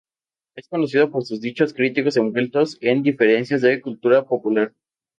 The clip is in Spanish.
Es conocido por sus dichos críticos envueltos en referencias de cultura popular.